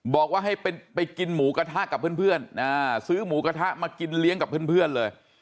บอกว่าให้ไปกินหมูกระทะกับเพื่อนซื้อหมูกระทะมากินเลี้ยงกับเพื่อนเลย